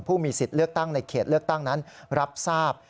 ผู้มีสิทธิ์เลือกตั้งในเขตเลือกตั้งนั้นรับทราบ